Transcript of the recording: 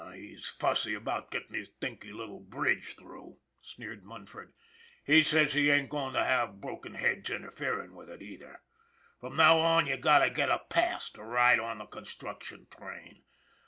" He's fussy about gettin' his dinky little bridge through," sneered Munford. " He says he ain't goin' to have broken heads interferin' with it, either. From now on you've got to get a pass to ride on the con struction train.